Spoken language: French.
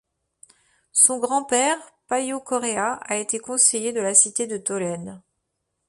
Son grand-père, Payo Correa, a été conseiller de la cité de Tolède.